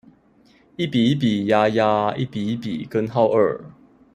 一比一比鴨鴨，一比一比根號二